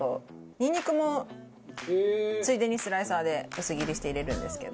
「ニンニクもついでにスライサーで薄切りして入れるんですけど」